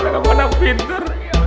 biar kamu anak pinter